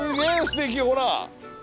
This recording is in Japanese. すてきほら！